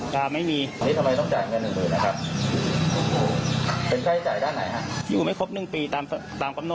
ก็มันรวมอยู่ในภาพยาวกัน